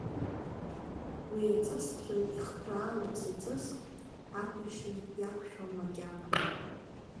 Уи аҵысҭра ихԥраалаз аҵыс, аԥыршьа иақәшәом макьана.